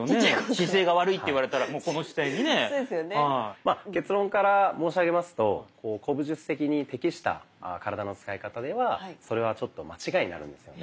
まあ結論から申し上げますと古武術的に適した体の使い方ではそれはちょっと間違いになるんですよね。